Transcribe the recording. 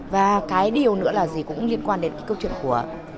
và cái điều nữa là gì cũng liên quan đến cái câu chuyện của